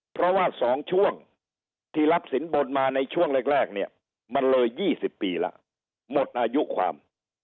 เพราะว่า๒ช่วงที่รับสินบนมาในช่วงแรกเนี่ยมันเลย๒๐ปีแล้วหมดอายุความ